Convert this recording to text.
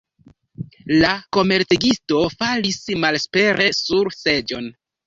La komercegisto falis malespere sur seĝon.